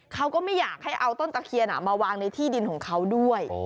เขาก็ไม่อยากให้เอาต้นตะเคียนมาวางในที่ดินของเขาด้วย